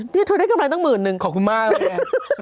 เธอได้กำไรตั้งหมื่นนึงขอบคุณมากเลย